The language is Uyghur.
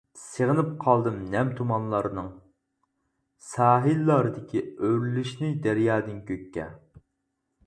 سېغىنىپ قالدىم نەم تۇمانلارنىڭ ساھىللاردىكى ئۆرلىشىنى دەريادىن كۆككە.